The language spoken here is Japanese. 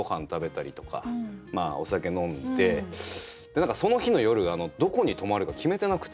何かその日の夜どこに泊まるか決めてなくて。